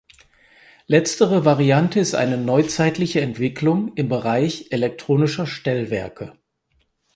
Letztere Variante ist eine neuzeitliche Entwicklung im Bereich elektronischer Stellwerke.